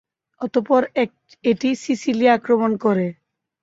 অতঃপর এটি সিসিলি আক্রমণ করে।